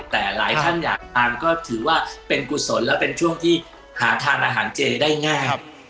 แต่หลายท่านอยากทานก็ถือว่าเป็นกุศลและเป็นช่วงที่หาทานอาหารเจได้ง่าย